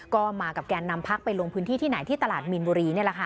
ก็มากับแกนนำพรักษ์ไปลงพื้นที่ที่ไหนที่ตลาดมีนบรี